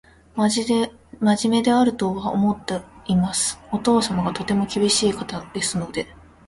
真面目であるとは思っています。お父様がとても厳しい方ですので